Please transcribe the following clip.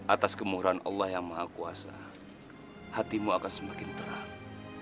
atas kemurahan allah yang maha kuasa hatimu akan semakin terang